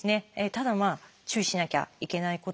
ただ注意しなきゃいけないことがですね